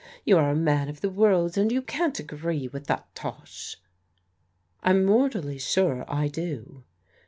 You are a man of the world, and you can't ag^ee with that tosh ?"" I'm mortally sure I do."